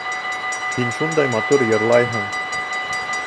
Һин шундай матур йырлайһың!